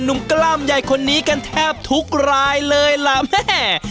กล้ามใหญ่คนนี้กันแทบทุกรายเลยล่ะแม่